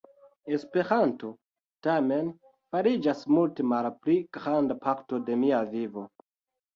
Esperanto, tamen, fariĝas multe malpli granda parto de mia vivo.